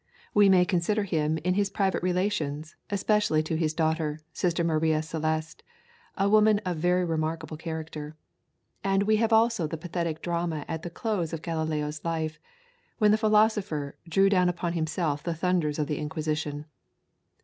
We may consider him in his private relations, especially to his daughter, Sister Maria Celeste, a woman of very remarkable character; and we have also the pathetic drama at the close of Galileo's life, when the philosopher drew down upon himself the thunders of the Inquisition.